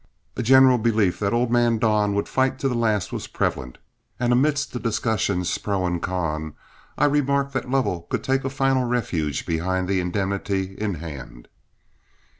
A general belief that old man Don would fight to the last was prevalent, and amidst the discussions pro and con, I remarked that Lovell could take a final refuge behind the indemnity in hand.